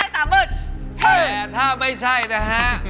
แต่ถ้าไม่ใช่นะฮะ